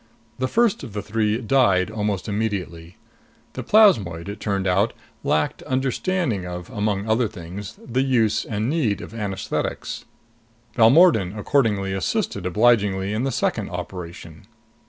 The first of the three died almost immediately. The plasmoid, it turned out, lacked understanding of, among other things, the use and need of anesthetics. Balmordan accordingly assisted obligingly in the second operation.